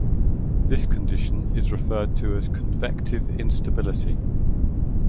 This condition is referred to as "convective instability".